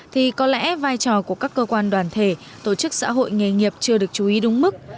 thì có lẽ vai trò của các cơ quan đoàn thể tổ chức xã hội nghề nghiệp chưa được chú ý đúng mức